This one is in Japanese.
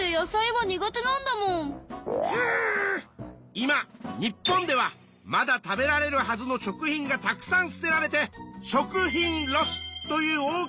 今日本ではまだ食べられるはずの食品がたくさん捨てられて「食品ロス」という大きな問題になっているんだ。